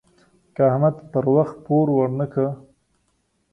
که احمد پر وخت پور ورنه کړ.